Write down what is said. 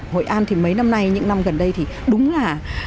hội an thì mấy năm nay những năm gần đây thì đúng là